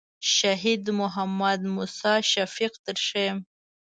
شهید محمد موسی شفیق در ښیم.